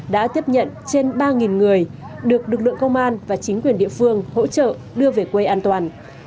đã tiếp nhận trên ba người được lực lượng công an và chính quyền địa phương hỗ trợ đưa về quê an toàn